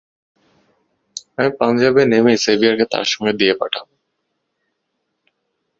আমি পাঞ্জাবে নেমেই সেভিয়ারকে তার সঙ্গে দিয়ে পাঠাব।